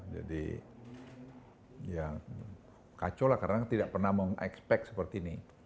jadi ya kacau lah karena tidak pernah mengekspek seperti ini